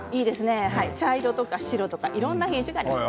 茶色とか白とかいろんな品種ができます。